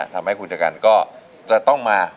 ทำให้คุณชะกันก็จะต้องมา